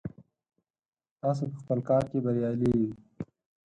تاسو په خپل کار کې بریالي یئ.